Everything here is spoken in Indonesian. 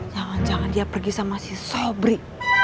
jangan jangan dia pergi sama si sobri